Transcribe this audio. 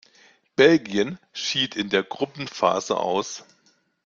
Belgien schied in der Gruppenphase aus.